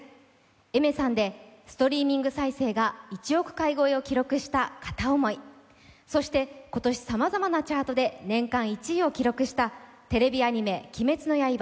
Ａｉｍｅｒさんでストリーミング再生が１億回を記録した「カタオモイ」、そして今年さまざまなチャートで年間１位を記録したテレビアニメ「鬼滅の刃」